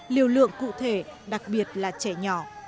liều lượng cụ thể đặc biệt là trẻ nhỏ